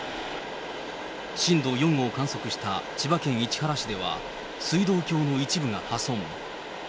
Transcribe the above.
震度４を観測した千葉県市原市では、水道橋の一部が破損。